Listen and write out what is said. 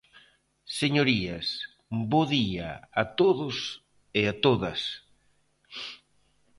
Señorías, bo día a todos e a todas.